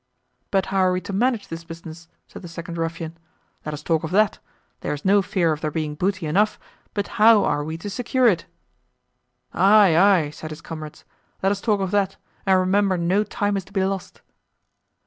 "But how are we to manage this business?" said the second ruffian: "let us talk of that, there is no fear of there being booty enough, but how are we to secure it?" "Aye, aye," said his comrades, "let us talk of that, and remember no time is to be lost."